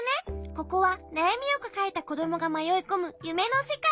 ここはなやみをかかえたこどもがまよいこむゆめのせかいなの。